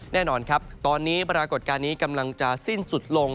แน่นอนครับตอนนี้ปรากฏการณ์นี้กำลังจะสิ้นสุดลง